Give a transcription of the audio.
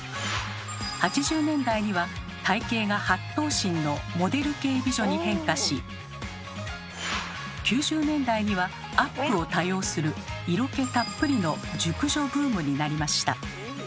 ８０年代には体型が８頭身のモデル系美女に変化し９０年代にはアップを多用する色気たっぷりの熟女ブームになりました。